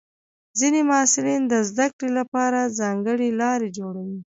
ځینې محصلین د زده کړې لپاره ځانګړې لارې جوړوي.